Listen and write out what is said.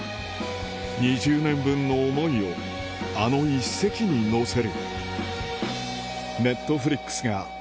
２０年分の思いをあの一席にのせる